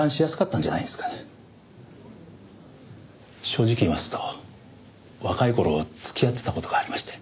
正直言いますと若い頃付き合ってた事がありまして。